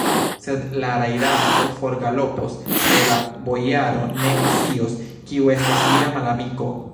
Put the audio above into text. Sed la rajdanto forgalopos, kaj la bojaro ne ekscios, kiu estas lia malamiko.